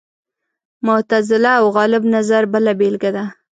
معتزله او غالب نظر بله بېلګه ده